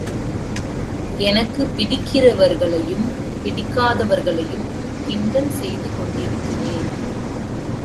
எனக்குப் பிடிக்கிறவர்களையும், பிடிக்காதவர்களையும் கிண்டல் செய்து கொண்டிருக்கிறேன்.